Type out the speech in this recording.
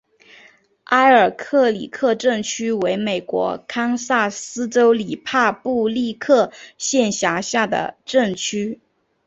埃尔克里克镇区为美国堪萨斯州里帕布利克县辖下的镇区。